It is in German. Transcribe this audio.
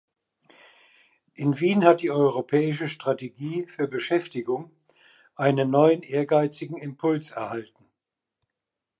In Wien hat die europäische Strategie für Beschäftigung einen neuen ehrgeizigen Impuls erhalten.